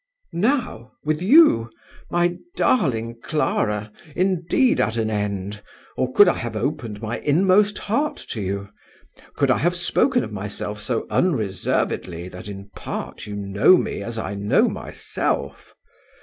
"Now? with you? my darling Clara! indeed at an end, or could I have opened my inmost heart to you! Could I have spoken of myself so unreservedly that in part you know me as I know myself!